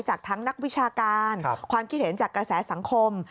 จากทั้งนักวิชาการความคิดเห็นจากกระแสสังคม